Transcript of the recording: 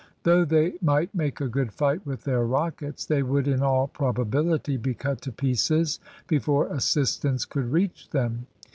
Though they might make a good fight with their rockets, they would in all probability be cut to pieces before assistance could reach them.